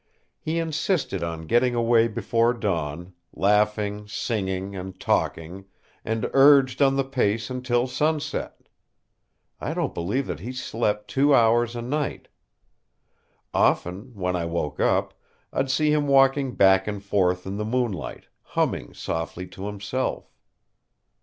He insisted on getting away before dawn, laughing, singing, and talking, and urged on the pace until sunset. I don't believe that he slept two hours a night. Often, when I woke up, I'd see him walking back and forth in the moonlight, humming softly to himself.